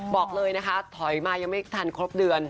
บอกเลยนะคะถอยมายังไม่ทันครบเดือน